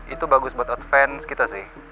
itu bagus buat advance kita sih